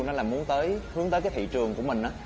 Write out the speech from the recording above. đó là muốn hướng tới cái thị trường của mình